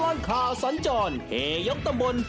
ตลอดข่าวสัญจรเฮยกตำบล